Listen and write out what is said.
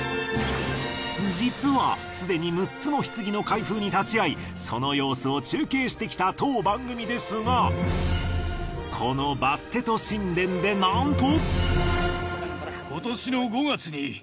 実はすでに６つの棺の開封に立ち合いその様子を中継してきた当番組ですがこのバステト神殿でなんと。